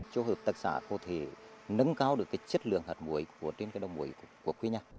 cho hợp tạc xã có thể nâng cao được cái chất lượng hạt muối của trên cái đồng muối của quê nhà